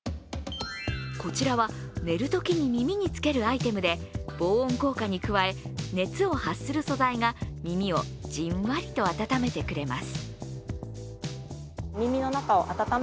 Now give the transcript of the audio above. こちらは寝るときに耳につけるアイテムで防音効果に加え、熱を発する素材が耳をじんわりと温めてくれます。